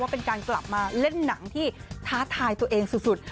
เป็นการกลับมาเล่นหนังที่ท้าทายตัวเองสุด